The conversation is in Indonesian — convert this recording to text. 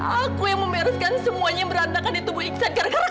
aku yang membereskan semuanya yang berantakan di tubuh iksan gara gara kamu